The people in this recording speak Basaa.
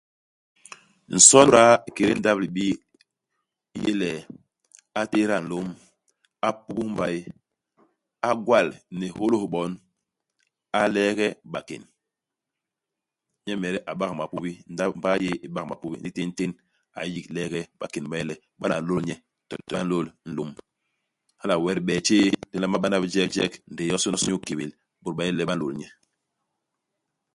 Nson u muda ikédé ndap-libii u yé le a tééda nlôm, a pubus mbay, a gwal ni hôlôs bon, a leege bakén. Nyemede a bak mapubi, ndap mbay yéé i bak mapubi, ndi téntén a yik leege ibakén ba yé le ba nla lôl nye to le ba nla lôl nlôm. Hala wee dibee tjéé di nlama bana bijek ndéé yosô inyu ikébél bôt ba yé le ba nlôl nye.